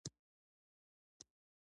ګلاب د هر سبا تازه شګه ده.